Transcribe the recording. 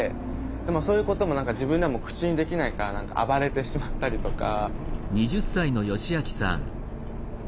でもそういうことも自分でも口にできないから暴れてしまったりとか。